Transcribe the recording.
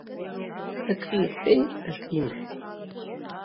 Акы иҳәеит, ак имҳәеит.